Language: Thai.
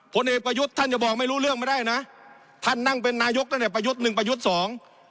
ผลเอกประยุทธ์ท่านจะบอกไม่รู้เรื่องไม่ได้นะท่านนั่งเป็นนายกตั้งแต่ประยุทธ์หนึ่งประยุทธ์สอง